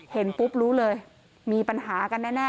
เห็นปุ๊บรู้เลยมีปัญหากันแน่